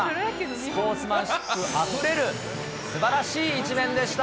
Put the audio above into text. スポーツマンシップあふれるすばらしい一面でした。